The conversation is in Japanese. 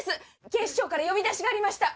警視庁から呼び出しがありました。